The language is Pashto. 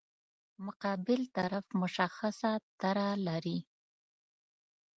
مقابل طرف مشخصه طرح لري.